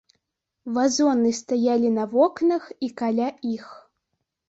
Вазоны стаялі на вокнах і каля іх.